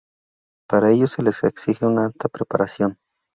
Para ello se les exige una alta preparación.